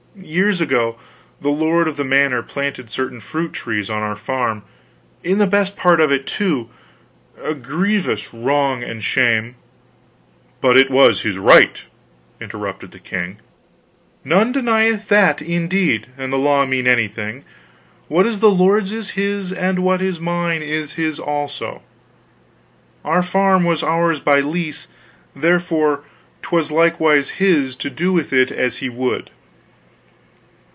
Years ago the lord of the manor planted certain fruit trees on our farm; in the best part of it, too a grievous wrong and shame " "But it was his right," interrupted the king. "None denieth that, indeed; an the law mean anything, what is the lord's is his, and what is mine is his also. Our farm was ours by lease, therefore 'twas likewise his, to do with it as he would.